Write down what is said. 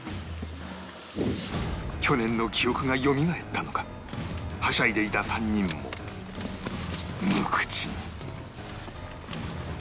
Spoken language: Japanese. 去年の記憶がよみがえったのかはしゃいでいた３人も無口に